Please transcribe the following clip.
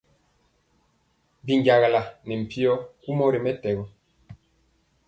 Binjagala ne mpyo kumɔ ri mɛtɛgɔ.